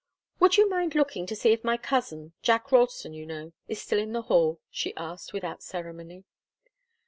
"Would you mind looking to see if my cousin Jack Ralston, you know, is still in the hall?" she asked, without ceremony.